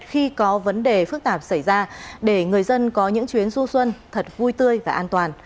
khi có vấn đề phức tạp xảy ra để người dân có những chuyến du xuân thật vui tươi và an toàn